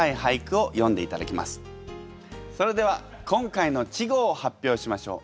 それでは今回の稚語を発表しましょう。